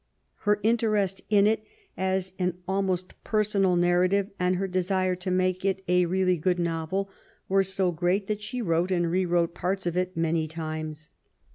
Her interest in it as an almost personal narrative^ and her desire to make it a really good novel, were so great that she wrote and re wrote parts of it many times.